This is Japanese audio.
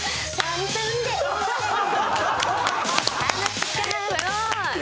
すごい！